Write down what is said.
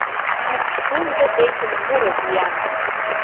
Пикш-умдо дечын муро виян.